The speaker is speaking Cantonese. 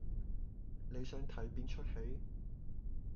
你想睇邊齣戲？